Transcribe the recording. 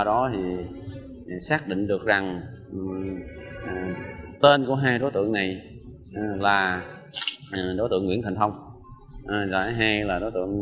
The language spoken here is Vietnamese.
đó thì xác định được rằng tên của hai đối tượng này là đối tượng nguyễn thành thông lại hay là